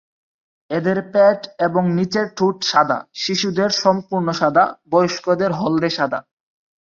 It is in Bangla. এদের পেট এবং নীচের ঠোঁট সাদা, শিশুদের সম্পূর্ণ সাদা, বয়স্কদের হলদে সাদা।